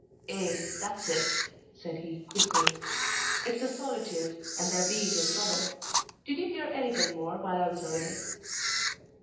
"Ay, that's it," said he, quickly. "It's the solitude, and their being in trouble. Did you hear anything more while I was away?"